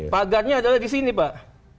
pagarnya adalah disini pak